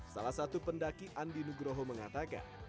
salah satu pendaki andi nugroho mengatakan